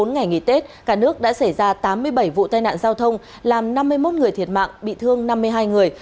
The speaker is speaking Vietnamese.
bốn ngày nghỉ tết cả nước đã xảy ra tám mươi bảy vụ tai nạn giao thông làm năm mươi một người thiệt mạng bị thương năm mươi hai người